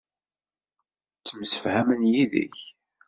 Ttemsefhamen yid-k.